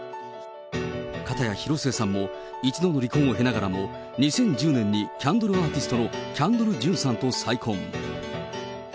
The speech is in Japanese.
かたや広末さんも、１度の離婚を経ながらも、２０１０年にキャンドルアーティストのキャンドル・ジュンさんと再婚。